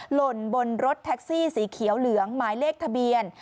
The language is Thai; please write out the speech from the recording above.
หล่นบนรถแท็กซี่สีเขียวเหลืองหมายเลขทะเบียน